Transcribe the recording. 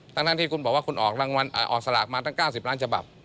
ตั้งทั้งที่คุณบอกว่าคุณออกสลากมาตั้ง๙๐ล้านฉบับ